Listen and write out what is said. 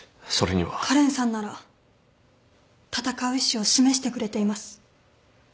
花恋さんなら闘う意志を示してくれています。